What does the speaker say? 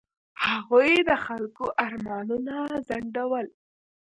هغوی د خلکو ارمانونه ځنډول.